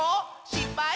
しっぱい？